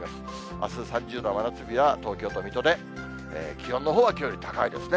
あす３０度、真夏日は東京と水戸で、気温のほうはきょうより高いですね。